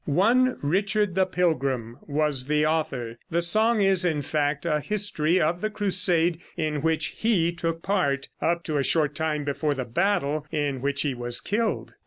One Richard the Pilgrim was the author. The song is, in fact, a history of the crusade in which he took part, up to a short time before the battle in which he was killed.